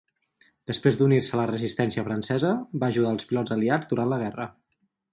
Després d'unir-se a la resistència francesa, va ajudar els pilots aliats durant la guerra.